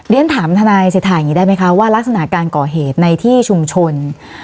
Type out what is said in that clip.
เรียนถามทนายสิทธาอย่างนี้ได้ไหมคะว่ารักษณะการก่อเหตุในที่ชุมชน